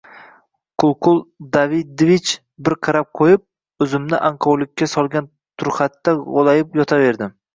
Qulqul Davedivichga bir qarab qo‘yib, o‘zimni anqovlikka solgan turxatda go‘layib yotaverdim